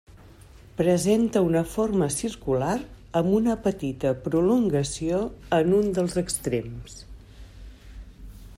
Presenta una forma circular, amb una petita prolongació en un dels extrems.